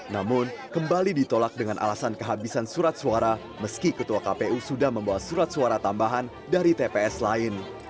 namun kembali ditolak dengan alasan kehabisan surat suara meski ketua kpu sudah membawa surat suara tambahan dari tps lain